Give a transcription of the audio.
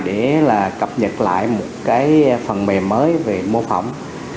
để là cập nhật lại một cái phần mềm mới về mô phỏng